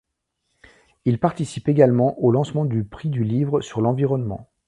Il participe également au lancement du prix du livre sur l'environnement.